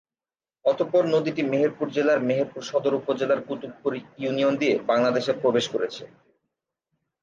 অতঃপর নদীটি মেহেরপুর জেলার মেহেরপুর সদর উপজেলার কুতুবপুর ইউনিয়ন দিয়ে বাংলাদেশে প্রবেশ করেছে।